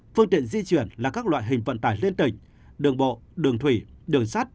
phương tiện di chuyển là các loại hình vận tải liên tỉnh đường bộ đường thủy đường sắt